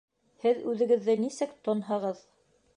Һеҙ үҙегеҙҙе нисек тонһығыҙ?